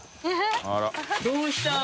どうしたん？